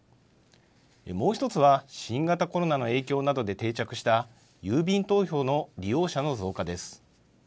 もう１つは新型コロナの影響などで定着した郵便投票の利用者の増加です。